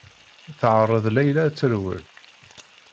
Teɛreḍ Layla ad terwel.